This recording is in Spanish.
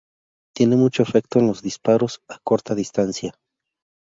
Tiene mucho efecto en los disparos a corta distancia.